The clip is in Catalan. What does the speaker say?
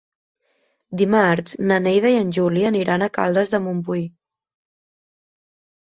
Dimarts na Neida i en Juli aniran a Caldes de Montbui.